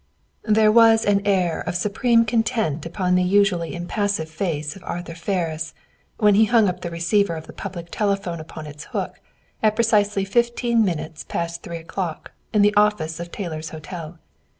There was an air of supreme content upon the usually impassive face of Arthur Ferris when he hung the receiver of the public telephone up upon its hook, at precisely fifteen minutes past three o'clock, in the office of Taylor's Hotel.